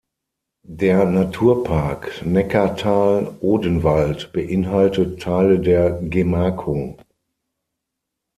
Der Naturpark Neckartal-Odenwald beinhaltet Teile der Gemarkung.